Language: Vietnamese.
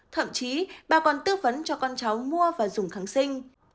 thậm chí bà còn tư vấn cho con cháu mua và dùng kháng sinh